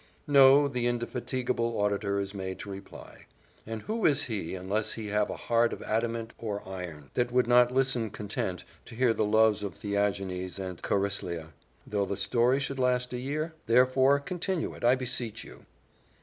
"No," the indefatigable auditor is made to reply; "and who is he, unless he have a heart of adamant or iron, that would not listen content to hear the loves of Theagenes and Chariclea, though the story should last a year? Therefore, continue it, I beseech you."